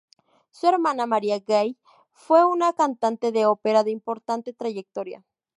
Su hermana, María Gay fue una cantante de ópera de importante trayectoria.